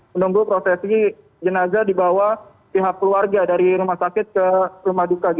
menunggu prosesi jenazah dibawa pihak keluarga dari rumah sakit ke rumah duka